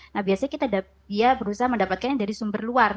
nah biasanya kita dia berusaha mendapatkannya dari sumber luar